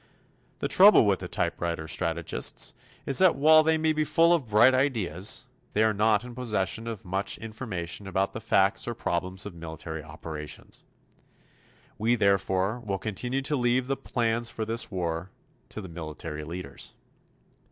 The trouble with the typewriter strategists is that while they may be full of bright ideas, they are not in possession of much information about the facts or problems of military operations. We, therefore, will continue to leave the plans for this war to the military leaders.